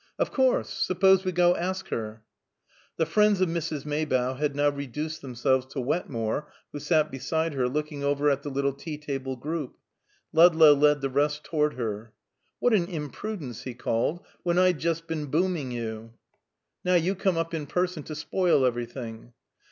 "Of course! Suppose we go ask her?" The friends of Mrs. Maybough had now reduced themselves to Wetmore, who sat beside her, looking over at the little tea table group. Ludlow led the rest toward her. "What an imprudence," he called out, "when I'd just been booming you! Now you come up in person to spoil everything."